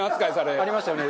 中丸：ありましたよね。